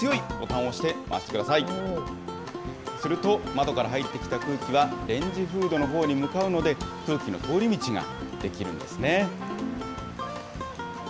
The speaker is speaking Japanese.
すると、窓から入ってきた空気は、レンジフードのほうに向かうので、空気の通り道が出来るんですね。